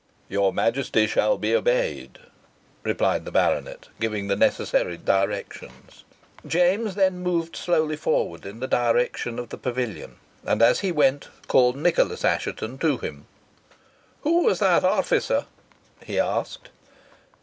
"Your Majesty shall be obeyed," replied the baronet, giving the necessary directions. James then moved slowly forward in the direction of the pavilion; and, as he went, called Nicholas Assheton to him. "Wha was that officer?" he asked.